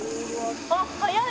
あっ早い！